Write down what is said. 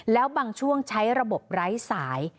แล้วบางช่วงใช้ระบบไร้สาย